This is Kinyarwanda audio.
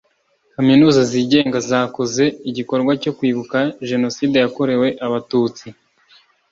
kaminuza zigenga zakoze igikorwa cyo kwibuka jenoside yakorewe abatutsi